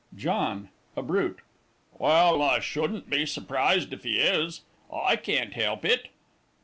JOHN (a Brute). Well, I shouldn't be surprised if he is. I can't help it.